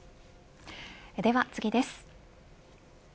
では次です。